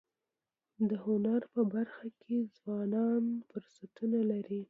د هنر په برخه کي ځوانان فرصتونه لري.